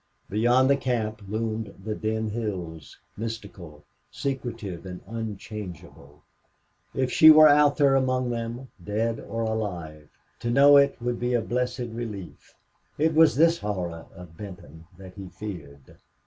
Beyond the camp loomed the dim hills, mystical, secretive, and unchangeable. If she were out there among them, dead or alive, to know it would be a blessed relief. It was this horror of Benton that he feared.